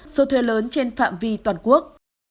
số thuê lớn trên phạm vi toàn quốc